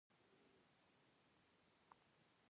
ترکیبي خواړه له څو ډوله خوراکي موادو څخه جوړیږي.